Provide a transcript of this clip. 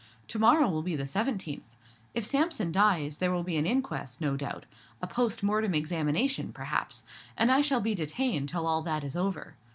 To morrow will be the seventeenth. If Sampson dies, there will be an inquest, no doubt: a post mortem examination, perhaps: and I shall be detained till all that is over.